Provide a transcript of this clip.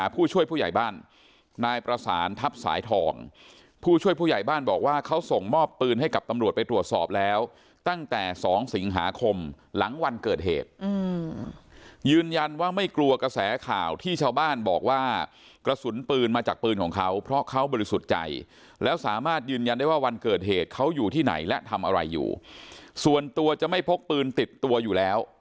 ผู้ช่วยผู้ใหญ่บ้านนายประสานทัพสายทองผู้ช่วยผู้ใหญ่บ้านบอกว่าเขาส่งมอบปืนให้กับตำรวจไปตรวจสอบแล้วตั้งแต่๒สิงหาคมหลังวันเกิดเหตุยืนยันว่าไม่กลัวกระแสข่าวที่ชาวบ้านบอกว่ากระสุนปืนมาจากปืนของเขาเพราะเขาบริสุทธิ์ใจแล้วสามารถยืนยันได้ว่าวันเกิดเหตุเขาอยู่ที่ไหนและทำอะไรอยู่ส่วนตัวจะไม่พกปืนติดตัวอยู่แล้ว